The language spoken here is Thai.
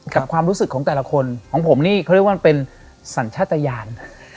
ความรู้สึกของแต่ละคนของผมนี่เขาเรียกว่าเป็นสัญชาติยาน